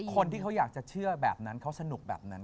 คนที่เขาอยากจะเชื่อแบบนั้นเขาสนุกแบบนั้น